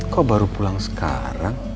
kok baru pulang sekarang